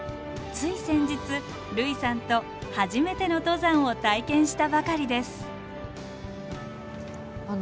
つい先日類さんと初めての登山を体験したばかりです。